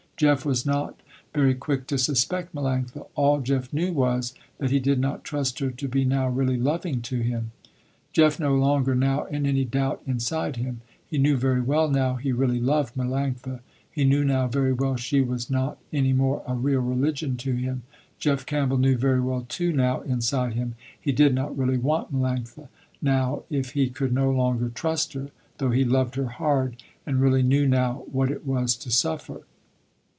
Jeff was not very quick to suspect Melanctha. All Jeff knew was, that he did not trust her to be now really loving to him. Jeff was no longer now in any doubt inside him. He knew very well now he really loved Melanctha. He knew now very well she was not any more a real religion to him. Jeff Campbell knew very well too now inside him, he did not really want Melanctha, now if he could no longer trust her, though he loved her hard and really knew now what it was to suffer.